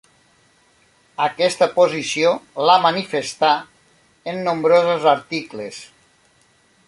Aquesta posició la manifestà en nombrosos articles.